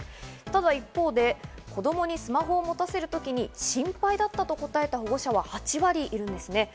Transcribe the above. ただ一方で、子供にスマホを持たせるときに心配だったと答えた保護者は８割いるんですね。